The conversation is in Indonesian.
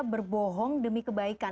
berbohong demi kebaikan